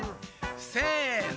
せの！